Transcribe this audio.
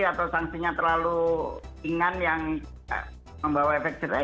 atau sangsinya terlalu ingan yang membawa efek jerah